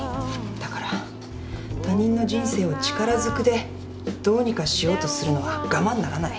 だから他人の人生を力ずくでどうにかしようとするのは我慢ならない。